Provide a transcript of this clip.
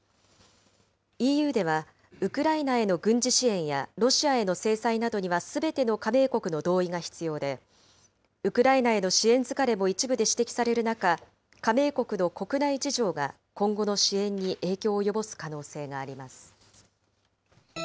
ＥＵでは、ウクライナへの軍事支援やロシアへの制裁などにはすべての加盟国の同意が必要で、ウクライナへの支援疲れも一部で指摘される中、加盟国の国内事情が今後の支援に影響を及ぼす可能性があります。